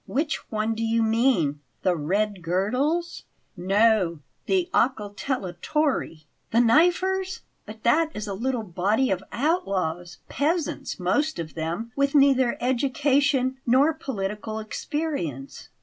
"Which one do you mean the 'Red Girdles'?" "No; the 'Occoltellatori.'" "The 'Knifers'! But that is a little body of outlaws peasants, most of them, with neither education nor political experience."